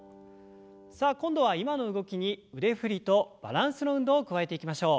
さあ今度は今の動きに腕振りとバランスの運動を加えていきましょう。